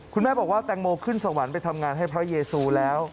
คุณแม่บอกว่าแตงโมขึ้นสวรรค์ไปทำงานให้พระเยซูแล้ว